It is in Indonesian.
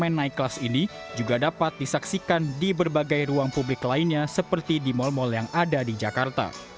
main naik kelas ini juga dapat disaksikan di berbagai ruang publik lainnya seperti di mal mal yang ada di jakarta